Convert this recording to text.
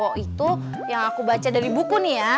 oh itu yang aku baca dari buku nih ya